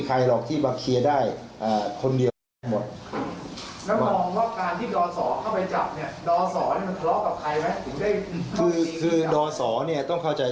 คุณชุวิตได้เข้าใจก่อนว่าดอสอคือระบบพ่อบ้านของบัวชน